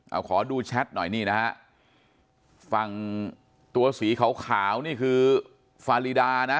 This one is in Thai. เอาขอดูแชทหน่อยนี่นะฮะฝั่งตัวสีขาวขาวนี่คือฟารีดานะ